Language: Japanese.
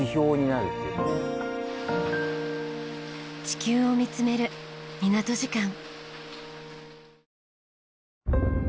地球を見つめる港時間。